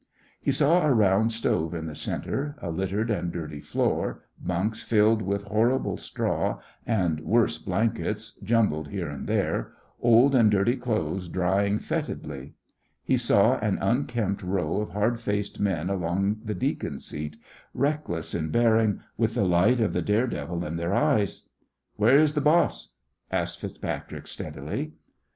He saw a round stove in the centre, a littered and dirty floor, bunks filled with horrible straw and worse blankets jumbled here and there, old and dirty clothes drying fetidly. He saw an unkempt row of hard faced men along the deacon seat, reckless in bearing, with the light of the dare devil in their eyes. "Where is the boss?" asked FitzPatrick, steadily.